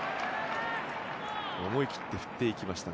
思い切って振っていきました。